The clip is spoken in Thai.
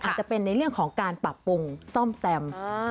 อาจจะเป็นในเรื่องของการปรับปรุงซ่อมแซม